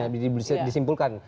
belum bisa disimpulkan